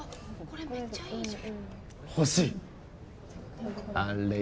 これめっちゃいいじゃん星あれ